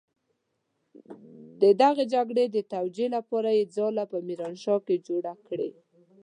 د دغې جګړې د توجيې لپاره يې ځاله په ميرانشاه کې جوړه کړې.